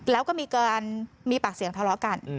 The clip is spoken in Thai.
แล้วก็มีบภะเสียงทะเล้วกัน